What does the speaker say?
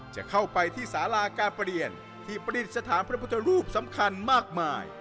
จะเข้าไปที่สาราการประเรียนที่ประดิษฐานพระพุทธรูปสำคัญมากมาย